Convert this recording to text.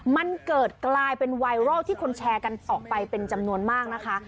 มันเกิดกลายเป็นไวรัลที่คนแชร์กันออกไปเป็นจำนวนมากนะคะ